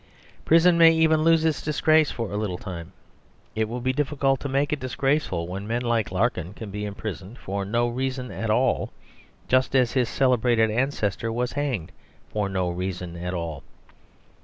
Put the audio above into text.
Prison may even lose its disgrace for a little time: it will be difficult to make it disgraceful when men like Larkin can be imprisoned for no reason at all, just as his celebrated ancestor was hanged for no reason at all.